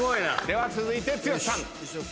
では続いて剛さん。